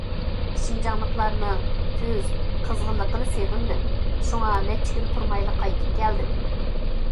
شىنجاڭلىقلارنىڭ تۈز، قىزغىنلىقىنى سېغىندىم، شۇڭا نەچچە كۈن تۇرمايلا قايتىپ كەلدىم.